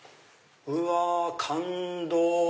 うわ感動！